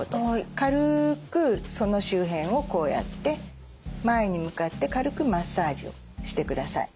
軽くその周辺をこうやって前に向かって軽くマッサージをしてください。